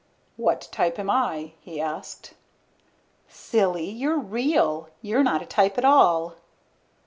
"What type am I?" he asked. "Silly, you're real. You're not a type at all."